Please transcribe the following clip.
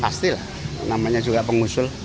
pastilah namanya juga pengusul